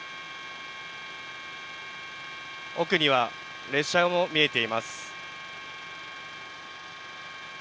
奥には列車も見えています。